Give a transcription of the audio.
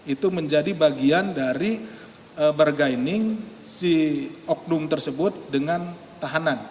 itu menjadi bagian dari bergaining si oknum tersebut dengan tahanan